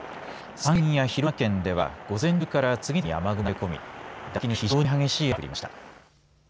山陰や広島県では午前中から次々に雨雲が流れ込み断続的に非常に激しい雨が降りました。